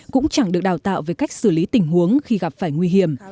cũng chẳng được đào tạo về cách xử lý tình huống khi gặp phải nguy hiểm